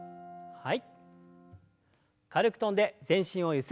はい。